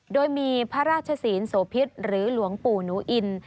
โดยมีพระราชศีลโสพิษหรือหลวงปู่หนูอิน